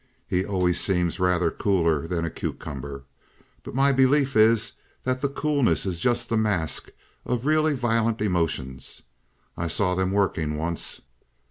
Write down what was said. "He always seems rather cooler than a cucumber. But my belief is that that coolness is just the mask of really violent emotions. I saw them working once.